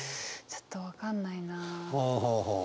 ちょっと分かんないな。